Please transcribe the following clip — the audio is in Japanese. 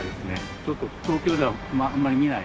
ちょっと東京ではあんまり見ない。